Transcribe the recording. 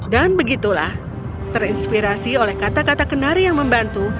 dan begitulah terinspirasi oleh kata kata kenari yang membantu